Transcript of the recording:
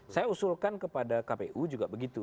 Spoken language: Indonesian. saya usulkan kepada kpu juga begitu